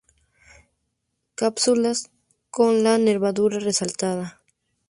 Cápsulas con la nervadura resaltada.